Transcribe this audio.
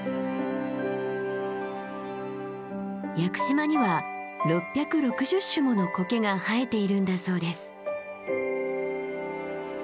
屋久島には６６０種もの苔が生えているんだそうです。